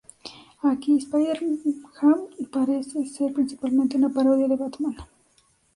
Aquí, Spider-Ham parece ser principalmente una parodia de Batman.